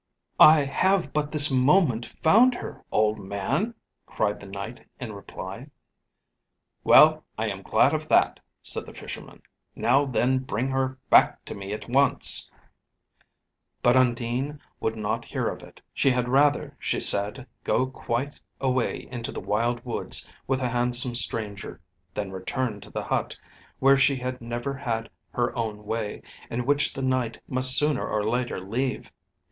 "I have but this moment found her, old man!" cried the Knight in reply. "Well, I am glad of that," said the Fisherman; "now then bring her back to me at once." But Undine would not hear of it. She had rather she said, go quite away into the wild woods with the handsome stranger, than return to the hut, where she had never had her own way, and which the Knight must sooner or later leave.